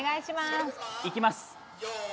いきます。